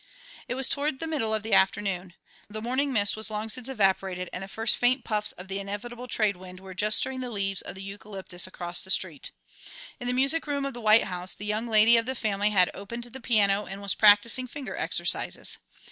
It was toward the middle of the afternoon. The morning mist was long since evaporated and the first faint puffs of the inevitable trade wind were just stirring the leaves of the eucalyptus across the street. In the music room of the white house the young lady of the family had opened the piano and was practising finger exercises.